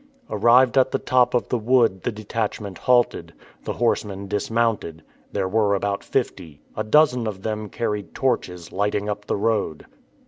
Arrived at the top of the wood, the detachment halted. The horsemen dismounted. There were about fifty. A dozen of them carried torches, lighting up the road.